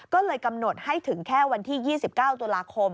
ก็เลยกำหนดให้ถึงแค่วันที่๒๙ตุลาคม